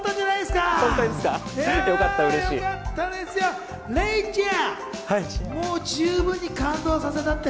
よかった、うれしい！